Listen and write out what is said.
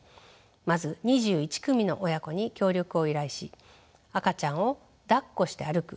まず２１組の親子に協力を依頼し赤ちゃんをだっこして歩く